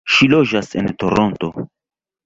Ŝi loĝas en Toronto.